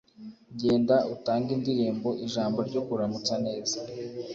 genda, utange indirimbo, ijambo ryo kuramutsa neza